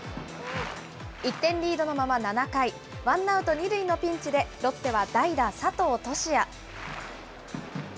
１点リードのまま７回、ワンアウト２塁のピンチでロッテは代打、佐藤都志也。